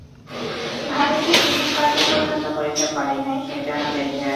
ভারতে ইহা কার্যে পরিণত করিতে পারি নাই, সেইজন্য এদেশে আসিয়াছি।